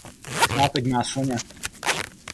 Svátek má Soňa.